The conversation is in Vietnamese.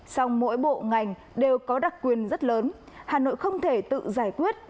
song mỗi bộ ngành đều có đặc quyền rất lớn hà nội không thể tự giải quyết